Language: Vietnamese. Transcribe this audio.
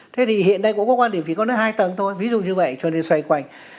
thế thì hiện nay cũng có quan điểm chỉ có hai tầng thôi ví dụ như vậy cho nên xoay quanh